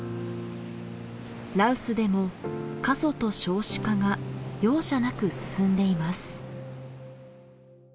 羅臼でも過疎と少子化が容赦なく進んでいます。